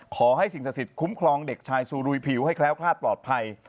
สิ่งศักดิ์สิทธิ์คุ้มครองเด็กชายซูรุยผิวให้แคล้วคลาดปลอดภัย